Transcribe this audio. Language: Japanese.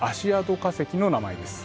化石の名前です。